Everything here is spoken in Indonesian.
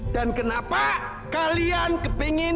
dan kenapa kalian kepingin